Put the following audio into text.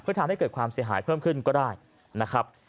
เพื่อทำให้เกิดความเสียหายเพิ่มขึ้นก็ได้นะครับ